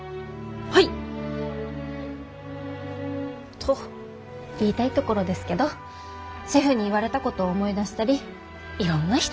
はい！と言いたいところですけどシェフに言われたことを思い出したりいろんな人にヒントをもらって。